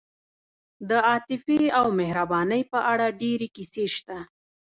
د عاطفې او مهربانۍ په اړه ډېرې کیسې شته.